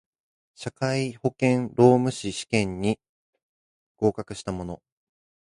社会保険労務士試験に合格した者